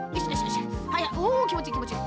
おきもちいいきもちいい。